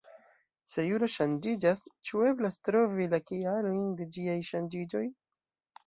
Se juro ŝanĝiĝas, ĉu eblas trovi la kialojn de ĝiaj ŝanĝiĝoj?